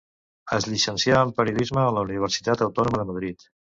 Es llicencià en periodisme a la Universitat Autònoma de Madrid.